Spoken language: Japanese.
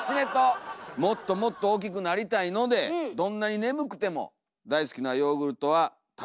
「もっともっと大きくなりたいのでどんなに眠くても大好きなヨーグルトは食べたい。